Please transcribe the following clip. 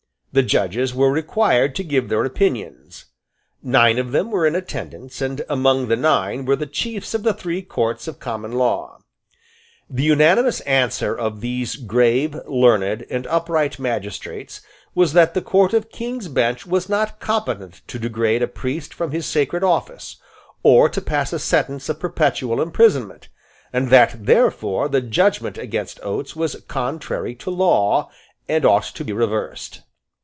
The judges were required to give their opinions. Nine of them were in attendance; and among the nine were the Chiefs of the three Courts of Common Law. The unanimous answer of these grave, learned and upright magistrates was that the Court of King's Bench was not competent to degrade a priest from his sacred office, or to pass a sentence of perpetual imprisonment; and that therefore the judgment against Oates was contrary to law, and ought to be reversed.